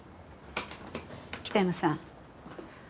北山さん。